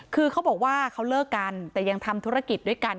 คือเขาบอกว่าเขาเลิกกันแต่ยังทำธุรกิจด้วยกัน